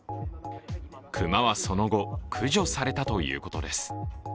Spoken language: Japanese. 熊はその後、駆除されたということです。